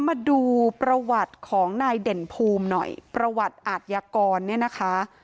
มาดูประวัติของนายเด่นภูมิหน่อยประวัติอาทยากรเนี่ยนะคะ